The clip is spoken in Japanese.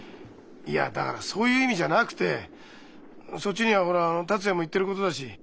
いやだからそういう意味じゃなくてそっちにはほら達也も行ってることだし。